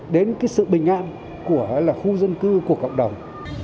đến cái sự bình an của khu dân cư của cộng đồng